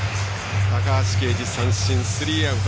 高橋奎二三振、スリーアウト。